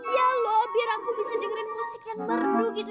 ya loh biar aku bisa dengerin musik yang merdu gitu